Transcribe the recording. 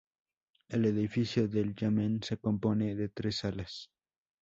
El edificio del "yamen" se compone de tres salas.